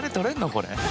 これ。